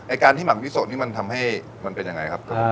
การที่หมักวิโสนี่มันทำให้มันเป็นยังไงครับ